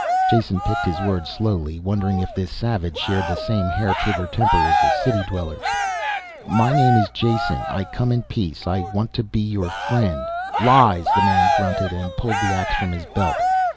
Jason picked his words slowly, wondering if this savage shared the same hair trigger temper as the city dwellers. "My name is Jason. I come in peace. I want to be your friend ..." "Lies!" the man grunted, and pulled the ax from his belt.